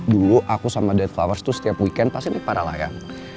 dulu aku sama dead flowers tuh setiap weekend pas ini para layang